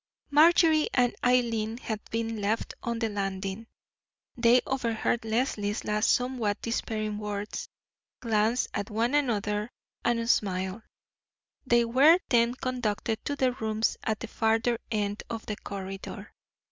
Marjorie and Eileen had been left on the landing. They overheard Leslie's last somewhat despairing words, glanced at one another, and smiled. They were then conducted to their rooms at the farther end of the corridor.